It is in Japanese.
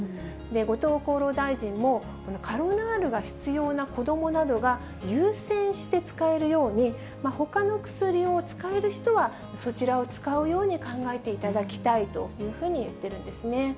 後藤厚労大臣も、カロナールが必要な子どもなどが優先して使えるように、ほかの薬を使える人は、そちらを使うように考えていただきたいというふうに言ってるんですね。